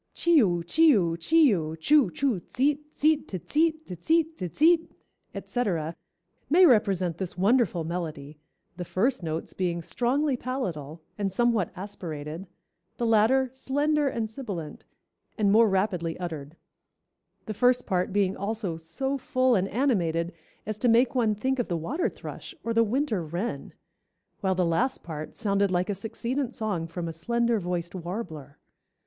Chee oo, chee oo, chee oo, choo, choo, tseet, tseet, te tseet, te tseet, te tseet, etc., may represent this wonderful melody, the first notes being strongly palatal and somewhat aspirated, the latter slender and sibilant and more rapidly uttered; the first part being also so full and animated as to make one think of the water thrush, or the winter wren; while the last part sounded like a succeedant song from a slender voiced warbler.